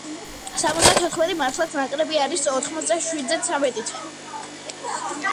სამოცდათოთხმეტი მართლაც ნაკლები არის ოთხმოცდაშვიდზე ცამეტით.